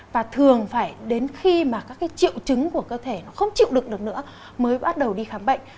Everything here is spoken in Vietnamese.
và thường phải đến khi mà các triệu chứng của cơ thể không chịu được được nữa mới bắt đầu đi khám bệnh